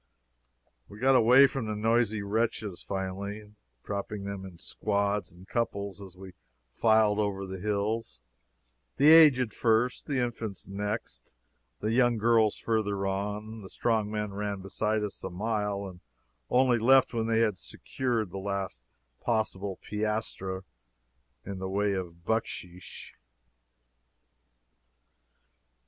We got away from the noisy wretches, finally, dropping them in squads and couples as we filed over the hills the aged first, the infants next, the young girls further on; the strong men ran beside us a mile, and only left when they had secured the last possible piastre in the way of bucksheesh.